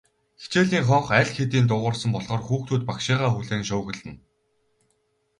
Хичээлийн хонх аль хэдийн дуугарсан болохоор хүүхдүүд багшийгаа хүлээн шуугилдана.